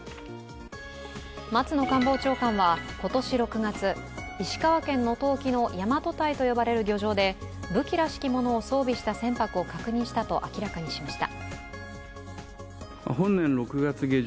松野官房長官は今年６月、石川県能登沖の大和堆と呼ばれる漁場で武器らしきものを装備した船舶を確認したと明らかにしました。